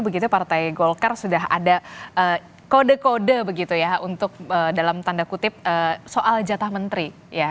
begitu partai golkar sudah ada kode kode begitu ya untuk dalam tanda kutip soal jatah menteri